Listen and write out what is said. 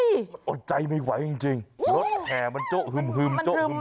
มันอดใจไม่ไหวจริงรถแห่มันโจ๊ะหึม